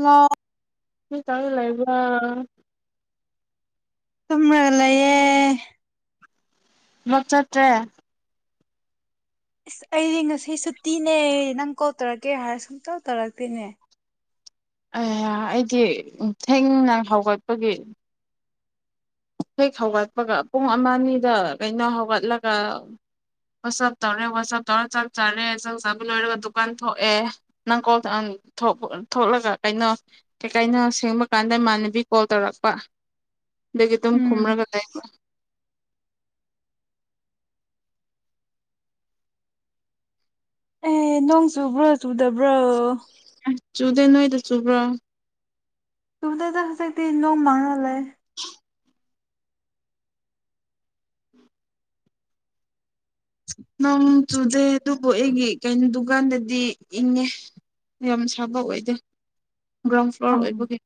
Hello ꯀꯔꯤ ꯇꯔꯒꯥ ꯂꯦꯏꯕꯔꯣ ꯇꯃꯦꯒꯂꯌꯦꯦ ꯊꯥꯕꯛ ꯆꯠꯇ꯭ꯔꯦ ꯑꯩꯗꯤ ꯉꯁꯤꯁꯨ ꯇꯤꯅꯦ ꯅꯪ ꯀꯧꯜ ꯇꯧꯔꯛꯀꯦ ꯍꯥꯏꯔ ꯁꯨꯝꯇꯧ ꯇꯧꯔꯛꯇꯦꯅꯦ ꯑ ꯑꯩꯗꯤ ꯊꯦꯡꯅ ꯍꯧꯒꯠꯄꯒꯤ ꯍꯦꯛ ꯍꯧꯒꯠꯄꯒ ꯄꯨꯡ ꯑꯃ ꯑꯅꯤꯗ ꯀꯩꯅꯣ ꯍꯧꯒꯠꯂꯒ ꯋꯥꯆꯞ ꯇꯧꯔꯦ ꯋꯥꯆꯞ ꯇꯧꯔ ꯆꯥꯛ ꯆꯥꯔꯦ ꯆꯥꯛ ꯆꯥꯕ ꯂꯣꯏꯔꯒ ꯗꯨꯀꯥꯟ ꯊꯣꯛꯑꯦ ꯅꯪ ꯀꯣꯜ ꯊꯣꯛꯂꯒ ꯀꯩꯅꯣ ꯀꯩꯀꯩꯅꯣ ꯁꯦꯝꯦꯡꯕ ꯀꯥꯟꯗ ꯏꯃꯥꯟꯅꯕꯤ ꯀꯣꯜ ꯇꯧꯔꯛꯄ ꯑꯗꯒꯤ ꯑꯗꯨꯝ ꯈꯨꯨꯝꯔꯥ ꯎꯝ ꯀꯗꯥꯏꯕ ꯑꯦ ꯅꯣꯡ ꯆꯨꯕ꯭ꯔꯣ ꯆꯨꯗꯕ꯭ꯔꯣ ꯑꯁ ꯆꯨꯗꯦ ꯅꯣꯏꯗ ꯆꯨꯕ꯭ꯔꯣ ꯇꯗꯁꯁꯗꯤ ꯅꯣꯡ ꯃꯥꯅꯂꯦ [inaudible] [inaudible] ꯅꯪ ꯆꯨꯗꯦꯗꯨ ꯑꯣ ꯑꯩꯒꯤ ꯀꯩꯅꯣ ꯗꯨꯀꯥꯟꯗꯗꯤ ꯏꯪꯉꯦ ꯌꯥꯝ ꯁꯥꯕ ꯑꯣꯏꯗꯦ ꯒ꯭ꯔꯥꯎꯟ ꯐ꯭ꯂꯣꯔ ꯑꯝ ꯑꯣꯏꯕꯒꯤꯦ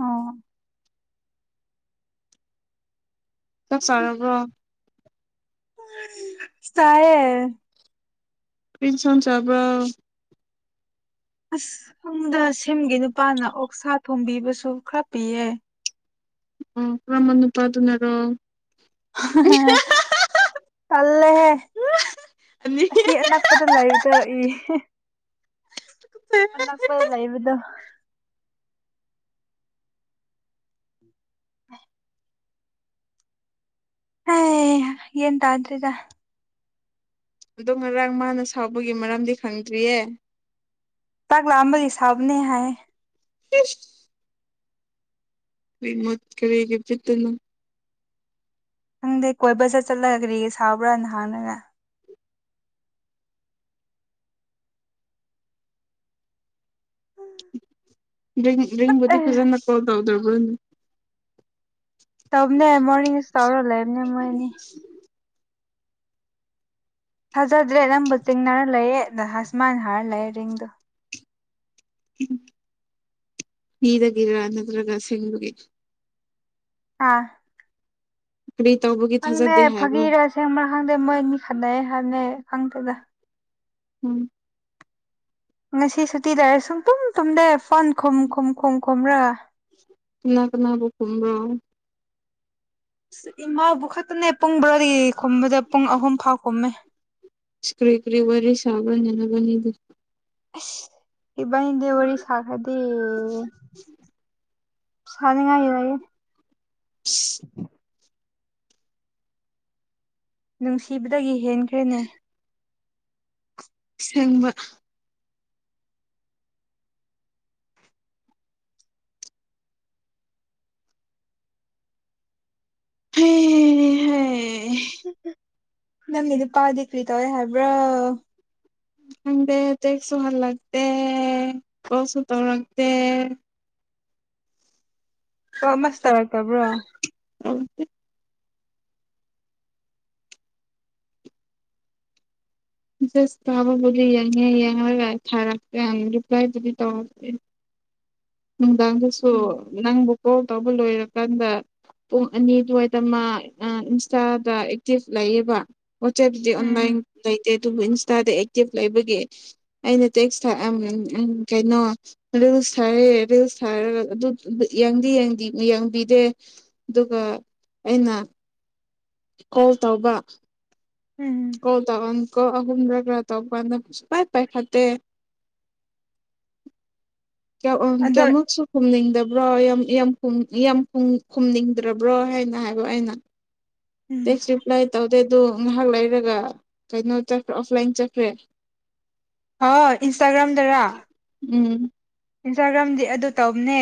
ꯑꯣ ꯆꯞ ꯆꯥꯔꯕ꯭ꯔꯣ ꯆꯥꯌꯦ ꯀ꯭ꯔꯤꯁꯟ ꯆꯕ꯭ꯔ ꯑꯁꯨꯝꯗ ꯁꯤꯝꯒꯤ ꯅꯨꯄꯥꯅ ꯑꯣꯛꯁꯥ ꯊꯣꯝꯕꯤꯕꯁꯨ ꯈꯔ ꯄꯤꯌꯦ ꯑꯣ ꯀꯝꯕ ꯅꯨꯄꯥ ꯑꯗꯨꯅꯔꯣ ꯇꯜꯂꯦꯍꯦ ꯑꯅꯤ ꯑꯁꯤ ꯑꯅꯛꯄꯗ ꯂꯩꯕꯗꫭ ꯏ ꯑꯟꯅꯄꯗ ꯂꯩꯏꯕꯗꯨ ꯍꯦ ꯌꯦꯟ ꯇꯥꯗ꯭ꯔꯦꯗ꯫ ꯑꯗꯣ ꯉꯔꯥꯡ ꯃꯥꯅ ꯁꯥꯎꯕꯒꯤ ꯃꯔꯝꯗꯤ ꯈꯪꯗ꯭ꯔꯤꯌꯦ ꯇꯥꯛ ꯂꯥꯛꯑꯝꯕꯗꯤ ꯁꯥꯎꯕꯅꯦ ꯍꯥꯏ ꯏꯁ ꯃꯠ ꯀꯔ ꯍꯒ ꯏꯠꯇꯅ ꯈꯪꯗꯦ ꯀꯣꯏꯕ ꯆꯠ ꯆꯠꯂꯒ ꯀꯔꯤꯒ ꯁꯥꯕ꯭ꯔꯥ ꯅꯍꯥꯟꯅꯒ ꯑꯗꯨ ꯔꯤꯡꯕꯨꯗꯤ ꯑꯦ ꯐꯖꯅ ꯀꯣꯜ ꯇꯧꯗ꯭ꯔꯣ꯫ ꯎꯝ ꯇꯧꯅꯦ ꯃꯣꯔꯅꯤꯡꯁ ꯇꯧꯔ ꯂꯩꯕꯅꯦ ꯃꯣꯏꯅꯤ ꯍꯖ ꯆꯗ꯭ꯔꯦ ꯅꯝꯕ ꯊꯦꯡꯅꯥ ꯂꯩꯑꯦ ꯅꯍꯥꯁꯃꯥꯟ ꯍꯥꯔꯂꯦꯔꯤꯡꯗꯨ ꯎ ꯃꯤꯗꯥꯒꯤꯔ ꯅꯠꯇ꯭ꯔꯒ ꯁꯦꯡꯕꯒꯤ꯫ ꯑꯥ ꯀꯔꯤ ꯇꯧꯕꯒꯤ ꯊꯥꯖꯗꯦ ꯍꯥꯏꯕ ꯐꯥꯒꯤꯔ ꯑꯁꯦꯡꯕ꯭ꯔꯥ ꯈꯪꯗꯦ ꯃꯣꯏꯅꯤ ꯈꯟꯗꯩ ꯍꯥꯏꯅꯦ ꯈꯪꯗꯦꯗ ꯎꯝ ꯉꯁꯤ ꯁꯨꯇꯤ ꯂꯥꯏꯔꯦ ꯁꯨꯡ ꯇꯨꯝ ꯇꯨꯝꯗꯦ ꯐꯣꯟ ꯈꯨꯝ ꯈꯨꯝ ꯈꯨꯝ ꯈꯨꯝꯔꯥ ꯀꯅꯥ ꯀꯅꯥꯕꯨ ꯀꯨꯝꯕ ꯑꯁ ꯏꯃꯥꯕꯨ ꯈꯛꯇꯅꯦ ꯄꯨꯡ ꯕꯔꯥꯗꯤ ꯈꯨꯝꯕꯗ ꯄꯨꯡ ꯑꯍꯨꯝ ꯐꯥꯎ ꯈꯨꯝꯃꯦ꯫ ꯁꯀ꯭ꯔꯤ ꯀ꯭ꯔꯤ ꯋꯥꯔꯤꯔꯤ ꯁꯥꯕꯅꯅꯒꯅꯤꯦ ꯏꯕꯥ ꯍꯗꯤꯦ ꯋꯥꯔꯤꯔꯤ ꯁꯥ ꯈꯗ [inaudible] [unintelligible] [inaudible] ꯅꯨꯡꯁꯤꯕꯗꯒꯤ ꯍꯦꯟ ꯇ꯭ꯔꯦꯅꯦ ꯁꯦꯡꯕ ꯍꯩ ꯍꯩ ꯍꯩ ꯅꯪꯒꯤ ꯅꯨꯄꯥꯗꯤ ꯀ꯭ꯔꯤ ꯇꯧꯋꯦ ꯍꯥꯏꯕ꯭ꯔꯥ ꯑꯪꯗꯦ ꯇꯦꯛꯁꯨꯣꯍꯜ ꯂꯥꯛꯇ ꯀꯣꯁꯨ ꯇꯧꯔꯗꯦ ꯑꯣ ꯃꯁꯇꯔ ꯇꯧꯕ꯭ꯔꯣ ꯃꯦꯁꯦꯁ ꯊꯕꯕꯨꯗꯤ ꯌꯦꯉꯦ ꯌꯦꯡꯂꯉ ꯊꯔꯛꯇꯦ ꯔꯤꯄ꯭ꯂꯥꯏꯗꯨꯗꯤ ꯇꯧꯔꯛꯇꯦ ꯅꯨꯡꯗꯥꯡꯗꯁꯨ ꯎꯝ ꯅꯪꯕꯨ ꯀꯣꯜ ꯇꯧꯕ ꯂꯣꯏꯔꯀꯥꯟꯗ ꯄꯨꯡ ꯑꯅꯤ ꯑꯗꯨꯋꯥꯏꯗ ꯃꯥ ꯏꯟꯁꯇꯥꯗ ꯑꯦꯛꯇꯤꯚ ꯂꯩꯌꯦꯕ ꯋꯥ ꯆꯦꯞ ꯗꯤ ꯑꯣꯟꯂꯥꯏꯟ ꯎꯝ ꯂꯩ ꯑꯗꯨꯕꯨ ꯏꯟꯁꯇꯥꯗ ꯑꯦꯛꯇꯤꯞ ꯂꯩꯕꯒꯤ ꯑꯩꯅ ꯇꯦꯛꯁ ꯊ ꯑꯝ ꯎꯝ ꯎꯝ ꯀꯩꯅꯣ ꯔꯤꯜꯁ ꯊꯥꯔꯦ ꯔꯤꯜꯁ ꯊꯥꯔꯒ ꯑꯗꯨꯗꯤ ꯌꯦꯡꯗꯤ ꯌꯦꯡꯕꯤꯗꯦ ꯑꯗꯨꯒ ꯑꯩꯅ ꯀꯣꯜ ꯇꯧꯕ ꯎꯝ ꯀꯣꯜ ꯇꯧꯟ ꯀꯣꯜ ꯑꯍꯨꯝꯔꯛꯂ ꯇꯧꯕ ꯀꯥꯟꯗ ꯁꯨꯡꯄꯥꯏ ꯄꯥꯏꯈꯠꯇꯦ ꯑꯗꯣ ꯀꯌꯥꯃꯨꯛꯁꯨ ꯈꯨꯝꯅꯤꯡꯗꯕ ꯔꯣ ꯌꯥꯝ ꯌꯥꯝ ꯌꯥꯝ ꯈꯨꯝ ꯌꯥꯝ ꯈꯨꯝꯅꯤꯡꯗ꯭ꯔꯕ꯭ꯔꯣ ꯍꯥꯏꯅ ꯍꯥꯏꯕ ꯑꯩꯅ ꯎꯝ ꯇꯦꯛꯁ ꯔꯤꯄ꯭ꯂꯥꯏ ꯇꯧꯗꯦꯗꯣ ꯉꯥꯏꯍꯛ ꯂꯩ ꯔꯒ ꯀꯩꯅꯣ ꯆꯠꯈ꯭ꯔ ꯑꯣꯐꯂꯥꯏꯟ ꯆꯠꯈ꯭ꯔꯦ ꯍꯥ ꯏꯟꯁꯇꯒ꯭ꯔꯝꯗꯥ ꯔꯥ ꯎꯝ ꯏꯟꯁꯇꯥꯒ꯭ꯔꯥꯝꯗꯤ ꯑꯗꯨ ꯇꯧꯕꯅꯦ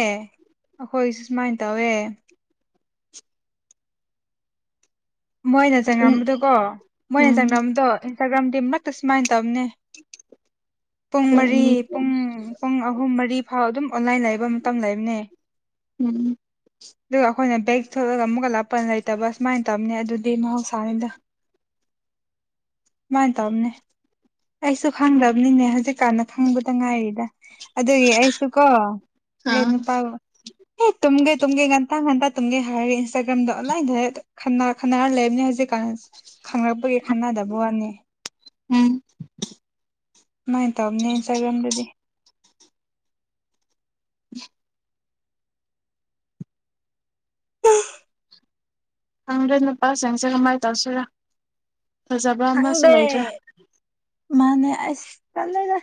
ꯑꯩꯈꯣꯏꯁꯨ ꯁꯨꯃꯥꯏꯅ ꯇꯧꯋꯦ ꯃꯣꯏꯅ ꯎꯝ ꯆꯪꯉꯝꯕꯗꯨꯣꯀꯣ ꯃꯣꯏꯅ ꯎꯝ ꯆꯪꯉꯝꯕꯗꯣ ꯏꯟꯁꯇꯥꯒ꯭ꯔꯥꯝ ꯃꯇꯠ ꯁꯨꯃꯥꯏꯅ ꯇꯧꯅꯦ ꯄꯨꯡ ꯃꯔꯤ ꯄꯨꯡ ꯄꯨꯡ ꯑꯍꯨꯝ ꯃꯔꯤ ꯐꯥꯎ ꯑꯗꯨꯝ ꯑꯣꯟꯂꯥꯏꯟ ꯂꯩꯕ ꯃꯇꯝ ꯂꯩꯕꯅꯦ ꯎꯝ ꯑꯗꯨꯒ ꯑꯩꯈꯣꯏꯅ ꯕꯦꯛ ꯊꯣꯂꯒ ꯑꯃꯨꯛꯀ ꯂꯞꯄ ꯂꯩ ꯇꯕ ꯁꯨꯃꯥꯥꯏ ꯇꯧꯕꯅꯦ ꯃꯍꯧꯁꯥꯅꯤꯗ ꯃꯥꯥꯏꯅ ꯇꯧꯅꯦ ꯑꯩꯁꯨ ꯈꯪꯗꯕꯅꯤꯅꯦ ꯍꯧꯖꯤꯛꯀꯥꯟꯗ ꯈꯪꯕꯗ ꯉꯥꯏꯔꯤꯗ ꯑꯗꯨꯒꯤ ꯑꯩꯁꯨ ꯀꯣ ꯑꯩ ꯑꯥ ꯅꯨꯄꯥꯥꯕꯨ ꯑꯦ ꯇꯨꯝꯒꯦ ꯇꯨꯝꯒꯦ ꯉꯟꯇ ꯉꯟꯇ ꯇꯨꯝꯒꯦ ꯍꯥꯏꯔ ꯏꯟꯁꯇꯥꯒ꯭ꯔꯥꯝꯗ ꯑꯣꯟꯂꯥꯏꯟꯗ ꯈꯟꯅ ꯈꯟꯅꯔ ꯂꯩꯔꯕꯅꯤ ꯍꯧꯖꯤꯛ ꯀꯥꯟꯁꯦ ꯈꯪꯂꯛꯄꯒꯤ ꯈꯟꯅꯗꯕ ꯋꯥꯅꯤ ꯎꯝ ꯃꯣꯏ ꯇꯕꯅꯦ ꯏꯟꯁꯇꯥꯒ꯭ꯔꯥꯝꯗꯗꯤ ꯈꯪꯗꯔꯦ ꯅꯨꯄꯥꯁꯤꯡꯁꯦ ꯀꯃꯥꯏꯅ ꯇꯧꯁꯤꯔꯥ ꯐꯖꯕ꯭ꯔꯥ ꯑꯃꯁꯨ ꯈꯪꯗꯦ ꯂꯩꯇ꯭ꯔꯦ ꯃꯥꯅꯦ ꯑꯩꯁ ꯇꯜꯂꯦꯗ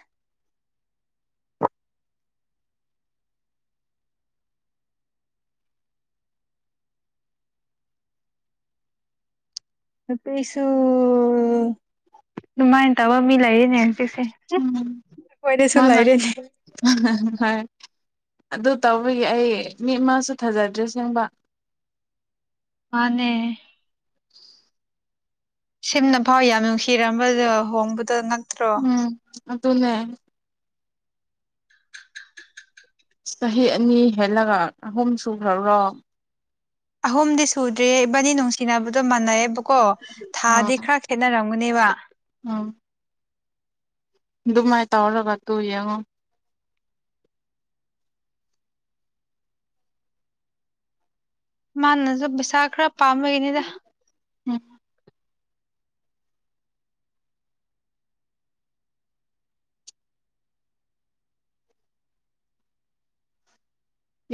ꯅꯨꯄꯤꯁꯨ ꯗꯨꯃꯥꯏꯅ ꯇꯧꯕ ꯃꯤ ꯂꯩꯔꯤꯅꯦ ꯍꯧꯖꯤꯛꯁꯦ ꯎꯝ ꯑꯩꯈꯣꯏꯗꯁꯨ ꯃꯥꯅ ꯂꯩꯔꯤꯅꯦ ꯃꯥꯅ ꯍꯥꯏ ꯑꯗꯨ ꯇꯧꯕꯒꯤ ꯑꯩ ꯃꯤ ꯑꯃꯁꯨ ꯊꯥꯖꯗ꯭ꯔꯦ ꯁꯦꯡꯕ꯫ ꯃꯥꯅꯦ꯫ ꯁꯤꯝꯅ ꯐꯥꯎ ꯌꯥꯝ ꯅꯨꯡꯁꯤꯔꯝꯕꯗ ꯍꯣꯡꯕꯗꯣ ꯉꯛ ꯎꯝ ꯑꯗꯨꯅꯦ꯫ ꯆꯍꯤ ꯑꯅꯤ ꯍꯦꯜꯂꯒ ꯑꯍꯨꯝ ꯁꯨꯈ꯭ꯔꯔꯣ ꯑꯍꯨꯝꯗꯤ ꯁꯨꯗ꯭ꯔꯦ ꯏꯕꯥꯅꯤ ꯅꯨꯡꯁꯤꯅꯕ ꯑꯗꯨ ꯃꯥꯅꯩꯑꯦꯕꯀꯣ ꯊꯥꯗꯤ ꯈꯔ ꯈꯦꯠꯅꯔꯝ ꯃꯅꯦꯕꯥ ꯑꯥ ꯑꯗꯨꯃꯥꯏ ꯇꯧꯔꯒ ꯇꯨ ꯌꯦꯡꯉꯣ꯫ ꯃꯥꯥꯅꯁꯨ ꯕꯤꯁꯥ ꯈꯔ ꯄꯥꯝꯒꯤꯅꯤꯗ ꯎꯝ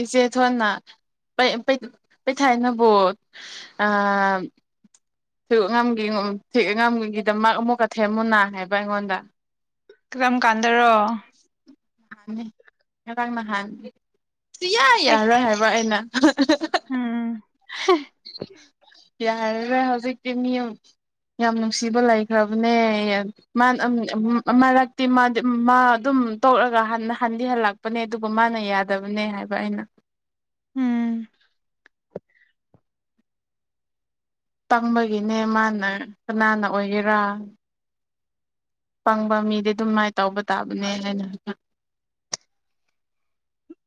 ꯏꯆꯦ ꯊꯣꯟꯅ ꯄꯩ ꯄꯩꯊꯥꯏꯅꯕꯨ ꯑꯥ [inaudible] ꯑꯉꯝꯒꯤ [unintelligible] ꯑꯉꯥꯝꯒꯤꯗꯃꯛ ꯑꯃꯨꯛꯀ ꯊꯦꯝꯃꯨꯟꯅ ꯍꯥꯏꯕ ꯑꯩꯉꯣꯟꯗ꯫ ꯀꯔꯝ ꯀꯥꯟꯗꯔꯣ꯫ ꯉꯔꯥꯡ ꯅꯍꯥꯟ ꯌꯥꯏ ꯑꯩ ꯌꯥꯔꯣꯏ ꯍꯥꯏꯕ ꯑꯩꯅ ꯎꯝ ꯌꯥꯔꯔꯦ ꯍꯧꯖꯤꯛꯇꯤ ꯃꯤ ꯌꯥꯝ ꯅꯨꯡꯁꯤꯕ ꯂꯩꯈ꯭ꯔꯕꯅꯦ ꯃꯥ ꯅꯝ ꯝ ꯃꯔꯛꯇꯤ ꯃꯥ ꯑꯗꯨꯝ ꯇꯣꯛꯂꯒ ꯍꯟꯊ ꯍꯜꯂꯛꯄꯅꯦ ꯑꯗꯨꯒ ꯃꯥꯅ ꯌꯥꯗꯕꯅꯦ ꯍꯥꯏꯕ ꯑꯩꯅ ꯎꯝ ꯇꯪꯕꯒꯤꯅꯦ ꯃꯥꯅ ꯀꯅꯥꯅ ꯑꯣꯏꯒꯦꯔꯥ꯫ ꯄꯪꯕ ꯃꯤꯗꯤ ꯑꯗꯨꯝ ꯃꯥꯏꯅ ꯇꯧꯕ ꯇꯥꯕꯅꯦꯅ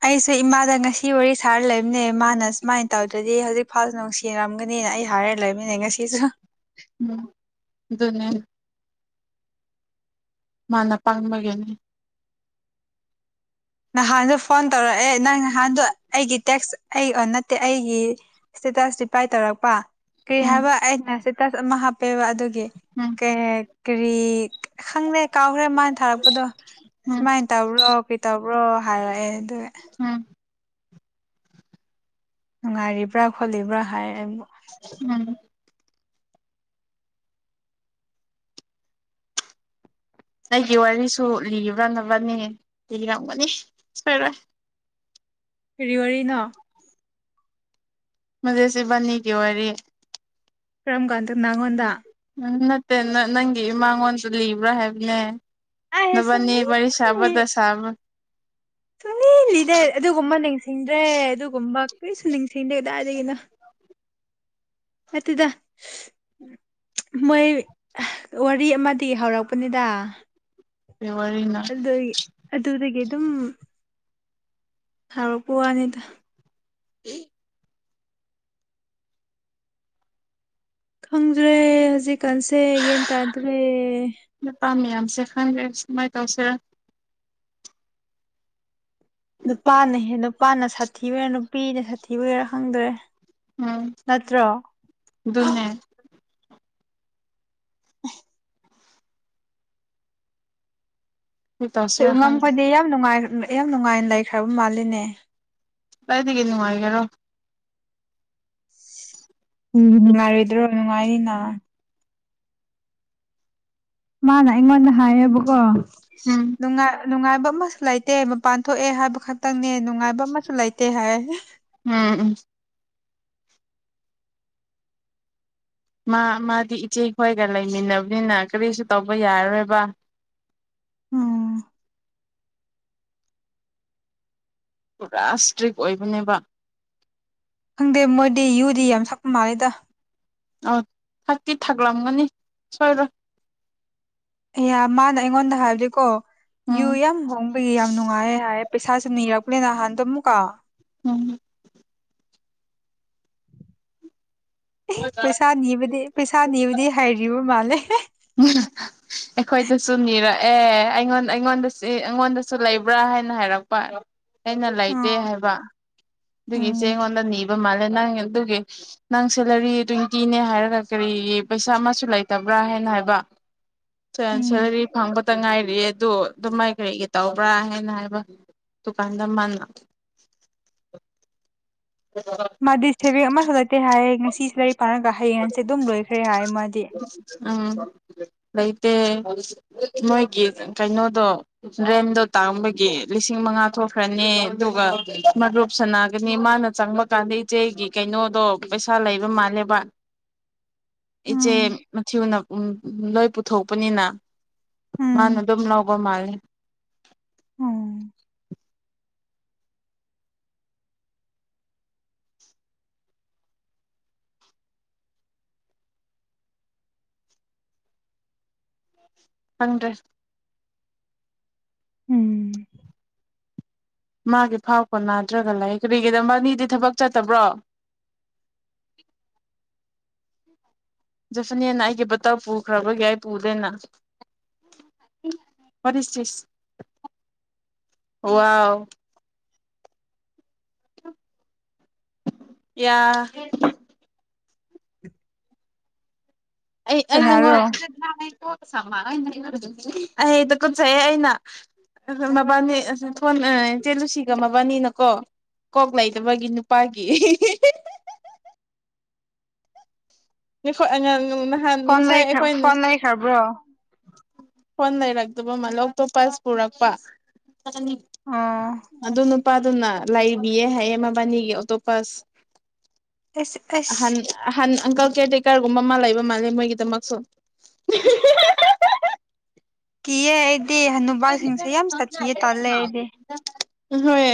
ꯑꯩꯁꯦ ꯏꯃꯥꯗ ꯉꯁꯤ ꯋꯥꯔꯤ ꯁꯥꯔ ꯂꯩꯕꯅꯦ꯫ ꯃꯥꯅ ꯁꯨꯃꯥꯏ ꯇꯧꯗ꯭ꯔꯗꯤ ꯍꯧꯖꯤꯛ ꯏꯝꯐꯥꯜ ꯅꯨꯡꯁꯤꯔꯝꯒꯅꯤꯅ ꯑꯩ ꯍꯥꯏꯔ ꯂꯩꯕꯅꯦ ꯉꯁꯤꯁꯨ꯫ ꯎꯝ ꯑꯗꯨꯅꯦ꯫ ꯃꯥꯅ ꯄꯪꯕꯒꯤꯅꯤ꯫ ꯅꯍꯥꯟꯗꫭ ꯐꯣꯟ ꯇꯧꯔꯛꯑꯦ ꯅꯪ ꯅꯍꯥꯟꯗꯣ ꯑꯩꯒꯤ ꯇꯦꯛꯁ ꯑꯩ ꯅꯠꯇꯦ ꯑꯩꯒꯤ ꯏꯁꯇꯦꯇꯥꯁ ꯔꯤꯄꯂꯥꯏ ꯇꯧꯔꯛꯄꯥ꯫ ꯀꯩ ꯎꯝ ꯍꯥꯏꯕ ꯑꯩꯅ ꯁꯇꯦꯇꯁ ꯑꯃ ꯍꯥꯞ ꯑꯦꯕ ꯑꯗꯨꯒꯤ ꯎꯝ ꯀꯔꯤ ꯍꯥꯏ ꯀꯔꯤ ꯈꯪꯗꯦ ꯀꯥꯎꯈ꯭ꯔꯦ ꯃꯥꯅ ꯊꯥꯔꯛꯄꯗꯣ ꯎꯝ ꯁꯨꯃꯥꯏꯅ ꯇꯧꯔꯣ ꯄ꯭ꯔꯣ ꯍꯥꯏꯔꯛꯑꯦ ꯑꯗꯨ ꯎꯝ ꯅꯨꯡꯉꯥꯏꯔꯤꯕ꯭ꯔꯥ ꯈꯣꯠꯂꯤꯕ꯭ꯔꯥ ꯍꯥꯏ ꯎꯝ ꯑꯩꯒꯤ ꯋꯥꯔꯤꯁꯨ ꯂꯤ꯭ꯔꯅꯕꯅꯤ ꯂꯤꯔꯝꯒꯅꯤ ꯁꯣꯏꯔꯣꯏ ꯀꯔꯤ ꯋꯥꯔꯤꯅꫭ꯫ ꯃꯖꯦ ꯁꯤꯕꯅꯤꯒꯤ ꯋꯥꯔꯤ ꯀꯔꯝꯀꯥꯟꯗ ꯇꯅꯥꯡꯉꯣꯗ ꯅ ꯅꯪꯒꯤ ꯏꯃꯥꯡꯉꯣꯟꯁꯨ ꯂꯤꯕ꯭ꯔꯥ ꯍꯥꯏꯕꯅꯦ ꯑꯩ ꯅꯕꯅꯤ ꯁꯨꯡꯂꯤ ꯋꯥꯔꯤꯔꯤ ꯁꯕꯗ ꯁꯥꯥꯕ ꯁꯨꯅꯤ ꯂꯤꯗꯦ ꯑꯗꯨꯒꯨꯝꯕ ꯅꯤꯡꯁꯤꯡꯗ꯭ꯔꯦ ꯑꯗꯨꯒꯨꯝꯕ ꯀꯩꯁꯨ ꯅꯤꯡꯁꯤꯡꯗꯦ ꯀꯗꯥꯏꯗꯒꯤꯅꯣ ꯑꯗꯨꯗ ꯃꯣꯏ ꯋꯥꯔꯤ ꯑꯃꯗꯤ ꯍꯧꯔꯛꯄꯅꯤꯗ ꯀꯩ ꯋꯥꯔꯤꯅꯣ ꯑꯗꯨ ꯑꯗꯨꯗꯒꯤ ꯑꯗꯨꯝ ꯊ ꯄꯨꯋꯥꯅꯤꯗ ꯈꯪꯗ꯭ꯔꯦ ꯍꯧꯖꯤꯛ ꯀꯟꯁꯦ ꯍꯒꯦ ꯇꯗ꯭ꯔꯦ ꯁꯦ ꯈꯪꯒꯦ ꯃꯥꯏ ꯇꯥꯎꯁꯦ ꯅꯨꯄꯥꯅꯍꯦ ꯅꯨꯄꯥꯅ ꯁꯥꯊꯤꯕ ꯑꯣꯏꯔꯥ ꯅꯨꯄꯤꯅ ꯁꯥꯊꯤꯕ ꯑꯣꯏꯦꯔꯥ ꯈꯪꯗꯣꯔꯦ ꯎꯝ ꯑꯗꯨ ꯑꯗꯨꯟꯅ ꯀꯔꯤ ꯇꯧꯁꯤꯔꯥ ꯈꯪꯗꯦ ꯉꯝꯈꯣꯏꯗꯤ ꯌꯥꯝ ꯅꯨꯡꯉꯥꯏ ꯌꯥꯝ ꯅꯨꯡꯉꯥꯏꯅ ꯂꯩꯈ꯭ꯔꯕ ꯃꯥꯜꯂꯤꯅꯦ ꯇꯥꯏꯗꯒꯦꯅꯤ ꯍꯥꯏꯒꯦꯔꯣ ꯎꯝ ꯅꯨꯡꯉꯥꯏꯔꯣꯏꯗ꯭ꯔꯣ ꯅꯨꯡꯉꯥꯏꯅꯤꯅ ꯃꯥꯅ ꯑꯩꯉꯣꯟꯗ ꯍꯥꯏꯌꯦꯕꯀꯣ ꯎꯝ ꯅꯨꯡꯉꯥꯏ ꯅꯨꯡꯉꯥꯏꯕ ꯑꯃꯁꯨ ꯂꯩꯇꯦ ꯃꯄꯥꯟ ꯊꯣꯛꯑꯦ ꯍꯥꯏꯕ ꯈꯛꯇꯪꯅꯦ ꯅꯨꯡꯉꯥꯏꯕ ꯑꯃꯁꯨ ꯂꯩꯇꯦ ꯍꯥꯏ ꯎꯝ ꯎꯝ ꯃꯥ ꯃꯥꯗꯤ ꯏꯆꯦ ꯈꯣꯏꯒ ꯂꯩꯃꯤꯟꯅꯕꯅꯤꯅ ꯀꯔꯤꯁꯨ ꯇꯧꯕ ꯌꯥꯔꯔꯣꯏꯕ ꯎꯝ ꯄꯨꯔꯥ ꯏꯁꯇ꯭ꯔꯤꯛ ꯑꯣꯏꯕꯅꯦꯕ ꯈꯪꯗꯦ ꯃꯣꯏꯗꯤ ꯌꯨꯗꯤ ꯌꯥꯝ ꯁꯛꯄ ꯃꯥꯜꯂꯦꯗ ꯑ ꯊꯀꯤ ꯊꯥꯛꯂꯝꯂꯝꯒꯅꯤ ꯁꯣꯏꯔꯕꯣ ꯑꯦ ꯃꯥꯅ ꯑꯩꯉꯣꯟꯗ ꯍꯥꯏꯕꯗꯤꯀꯣ ꯌꯨ ꯎꯝ ꯌꯥꯝ ꯍꯣꯡꯕꯒꯤ ꯌꯥꯝ ꯅꯨꯡꯉꯥꯏ ꯍꯥꯏ ꯄꯩꯁꯥꯁꯨꯦ ꯅꯤꯔꯛꯂꯦꯅꯍꯥꯟꯗ ꯑꯃꯨꯛꯀ ꯎꯝ ꯑꯦ ꯄꯩꯁꯥ ꯅꯤꯕꯗꯤ ꯄꯩꯁꯥ ꯅꯤꯕꯗꯤ ꯍꯥꯏꯔꯤꯕ ꯃꯥꯜꯂꯦ [inaudible] ꯑꯩꯈꯣꯏꯗꯁꯨ ꯅꯤꯔꯛꯑꯦ ꯑꯩꯉꯣꯟꯗ ꯑꯩꯉꯣꯟꯗ ꯑꯩꯉꯣꯟꯗꯁꯨ ꯂꯩꯕ꯭ꯔꯥ ꯍꯥꯏꯅ ꯍꯥꯏꯔꯛꯄ ꯑꯩꯅ ꯂꯩꯇꯦ ꯑꯥ ꯍꯥꯏꯕ ꯑꯗꯨꯒꯤꯆꯦ ꯎꯝ ꯑꯩꯉꯣꯟꯗ ꯅꯤꯕ ꯃꯥꯜꯂꯦ ꯅꯪ ꯑꯗꯨꯒꯤ ꯅꯪ ꯁꯦꯂꯔꯤ ꯇ꯭ꯋꯦꯟꯇꯤꯅꯦ ꯍꯥꯏꯔꯒ ꯀꯔꯤꯒꯤ ꯄꯩꯁꯥ ꯑꯃꯁꯨ ꯂꯩꯇꯕ꯭ꯔꯥ ꯍꯥꯏꯅ ꯍꯥꯏꯕ ꯎꯝ ꯁꯔ ꯐꯪ [unintelligible] ꯇ ꯉꯥꯏꯔꯤꯑꯦ ꯑꯗꯣ ꯑꯗꯨ ꯃꯥꯏ ꯀꯔꯤꯒꯤ ꯇꯧꯕ꯭ꯔꯥ ꯍꯥꯏꯅ ꯍꯥꯏꯕ ꯗꯨꯀꯥꯟꯗꯃꯅ ꯃꯥꯗꯤ ꯁꯦꯕꯤ ꯑꯃ ꯐꯂꯛꯇꯦ ꯍꯥꯏꯌꯦ ꯉꯁꯤ [unintelligible] ꯐꯔꯒ ꯍꯌꯦꯡꯁꯦ ꯑꯗꯨꯝ ꯂꯣꯏꯈ꯭ꯔꯦ ꯍꯥꯏ ꯃꯥꯗꯤ ꯎꯝ ꯂꯩꯇꯦ ꯅꯣꯏꯒꯤ ꯀꯩꯅꯣꯗꯣ ꯔꯦꯟꯗꯣ ꯇꯥꯡꯕꯒꯤ ꯂꯤꯁꯤꯡ ꯃꯉꯥ ꯊꯣꯛꯈ꯭ꯔꯅꯤ ꯑꯗꯨꯒ ꯃꯔꯨꯞ ꯁꯅꯒꯅꯤ ꯃꯥꯅ ꯆꯪꯕ ꯀꯥꯟꯗ ꯏꯆꯦꯒꯤ ꯀꯩꯅꯣꯗꯣ ꯄꯩꯁꯥ ꯂꯩꯕ ꯃꯥꯜꯂꯦꯕ ꯏꯆꯦ ꯎꯝ ꯃꯊꯤꯅ ꯂꯣꯏ ꯄꯨꯊꯣꯛꯄꯅꯤꯅ ꯃꯥꯅ ꯎꯝ ꯑꯗꯨꯝ ꯂꯧꯕ ꯃꯥꯜꯂꯦ ꯎꯝ ꯈꯪꯗꯔꯦ ꯎꯝ ꯃꯥꯒꯤ ꯐꯥꯎ ꯀꯣꯟꯅꯥꯗ꯭ꯔꯒ ꯂꯩ ꯀꯔꯤꯒꯤꯗꯕ ꯃꯤꯗꯤ ꯊꯕꯛ ꯆꯠꯇꯕ꯭ꯔꯣ ꯖꯐꯤꯅꯤꯅ ꯑꯩꯒꯤ ꯕꯥꯇꯥꯎ ꯄꯨꯈ꯭ꯔꯕꯒꯤ ꯑꯩ ꯄꯨꯗꯦꯅ ꯋꯥꯠ ꯏꯁ ꯗꯤꯁ ꯋꯥꯎ ꯌꯥ [unintelligible] ꯑꯩ ꯅꯪꯉꯣꯟ ꯀꯅꯥꯔꯣ ꯑꯩꯗ ꯀꯨꯠꯆꯩꯑꯦ ꯑꯩꯅ ꯃꯕꯥꯅꯤ ꯏꯆꯦ ꯂꯨꯁꯤꯒ ꯃꯕꯥꯅꯤꯅꯀꯣ ꯀꯣꯛ ꯂꯩꯗꯕꯒꯤ ꯅꯨꯄꯥꯒꯤ [unintelligible] ꯐꯣꯟ ꯉꯁꯥꯏ ꯃꯦꯠ ꯑꯩꯈꯣꯏꯅ ꯐꯣꯟ ꯃꯦꯠꯈ꯭ꯔꯕꯣ ꯐꯣꯟ ꯂꯩꯔꯛꯇꯕ ꯃꯥꯜꯂꯦ ꯑꯣꯛꯇꯣꯞꯄꯁ ꯄꯨꯔꯛꯄ ꯑꯣ ꯑꯗꯨ ꯅꯄꯥꯗꯨꯅ ꯂꯩ ꯕꯤ ꯑꯦ ꯍꯥꯏꯌꯦ ꯃꯥꯕꯟꯅꯤꯒꯤ ꯑꯣꯛꯇꯣꯞꯄꯁ ꯑꯁ ꯑꯍꯟ ꯑꯁ ꯑꯍꯟ ꯍꯅ ꯑꯪꯀꯜ ꯀꯩꯌꯔ ꯇꯦꯀꯔꯒꯨꯝꯕ ꯑꯃ ꯂꯩꯕ ꯃꯥꯜꯂꯦ ꯃꯣꯏꯒꯤꯗꯃꯛꯁꯨ ꯀꯤꯌꯦ ꯑꯩꯗꯤ ꯍꯅꯨꯕꯥꯁꯤꯡꯁꯦ ꯌꯥꯝ ꯁꯥꯊꯤꯌꯦ ꯇꯜꯂꯦ ꯑꯩꯗꯤ ꯍꯣꯏ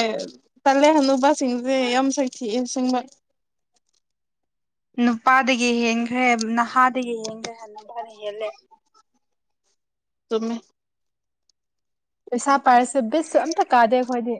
ꯇꯜꯂꯦ ꯍꯅꯨꯕꯁꯤꯡꯁꯦ ꯌꯥꯝ ꯁꯥꯊꯤ ꯑꯁꯦꯡꯕ ꯅꯨꯄꯥꯗꯒꯤ ꯍꯦꯟꯈ꯭ꯔꯦ ꯅꯍꯥꯗꯒꯤ ꯍꯦꯟꯈ꯭ꯔꯦ ꯍꯟꯅꯨꯕꯅ ꯍꯦꯜꯂꯦ ꯇꯨꯝꯃꯦ ꯄꯩꯁꯥ ꯄꯔ ꯕꯤꯁꯁꯨ ꯑꯝꯇ ꯀꯥꯗꯦ ꯑꯩꯈꯣꯏꯗꯤ